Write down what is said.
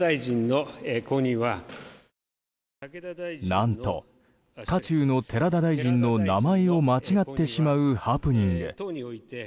何と、渦中の寺田大臣の名前を間違ってしまうハプニング。